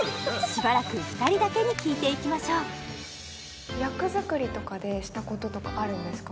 しばらく２人だけに聞いていきましょう役作りとかでしたこととかあるんですか？